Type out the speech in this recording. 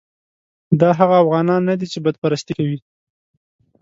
دا هغه اوغانیان نه دي چې بت پرستي کوي.